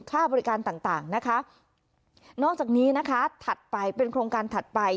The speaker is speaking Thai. ค่าบริการต่างต่างนะคะนอกจากนี้นะคะถัดไปเป็นโครงการถัดไป